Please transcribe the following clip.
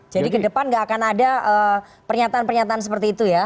jadi ke depan gak akan ada pernyataan pernyataan seperti itu ya